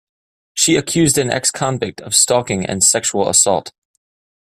She accused an ex-convict of stalking and sexual assault.